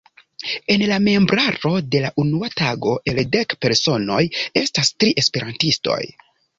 En la membraro de la unua tago el dek personoj estas tri esperantistoj.